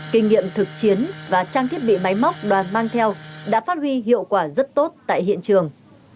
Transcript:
kinh nghiệm thực chiến và trang thiết bị máy móc đoàn mang theo đã phát huy hiệu quả rất tốt tại hiện trường